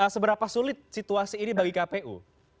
seberapa sulit situasi ini bagi kpu